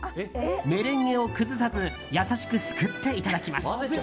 メレンゲを崩さず優しくすくって、いただきます。